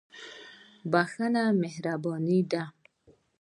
• بښل مهرباني ده.